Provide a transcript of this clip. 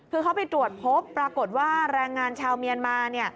คือเขาไปตรวจพบปรากฏว่าแรงงานชาวเมียนมา